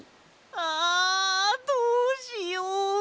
あどうしよう！